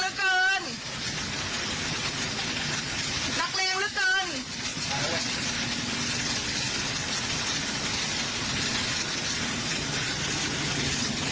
นักแรงเหลือเกิน